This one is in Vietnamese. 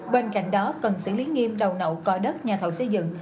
bên cạnh đó cần xử lý nghiêm đầu nậu coi đất nhà thầu xây dựng